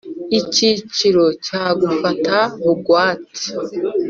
Icyiciro cya gufata bugwate